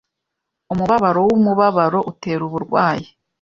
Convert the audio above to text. Umubabaro wumubabaro utera uburwayi